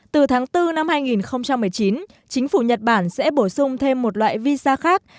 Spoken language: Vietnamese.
từ tháng bốn năm hai nghìn một mươi chín chính phủ nhật bản sẽ bổ sung thêm một loại visa khác